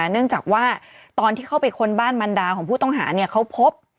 เนื่องจากว่าตอนที่เข้าไปค้นบ้านมันดาของผู้ต้องหาเขาพบ